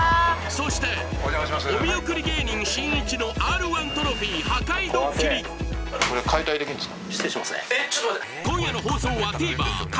そしてお見送り芸人しんいちのＲ−１トロフィー破壊ドッキリこれ解体できんですか？